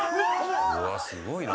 「うわーすごいな」